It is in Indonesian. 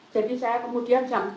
jadi saya kemudian jam empat